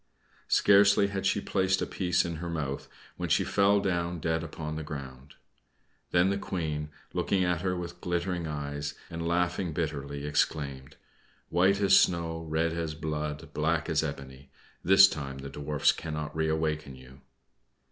Scarcely had she placed a piece in her mouth when she fell down dead upon the ground. Then the Queen, looking at her with glittering eyes, and laughing bitterly, exclaimed, "White as snow, red as blood, black as ebony! This time the Dwarfs cannot reawaken you."